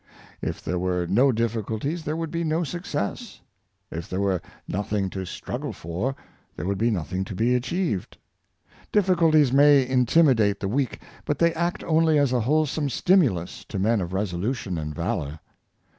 If there were no difficulties there would be no success; if there were nothing to struggle for, there would be nothing to be achieved. Difficul ties may intimidate the weak, but they act only as a wholesome stimulus to men of resolution and valor.